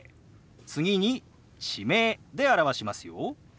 次に地名で表しますよ。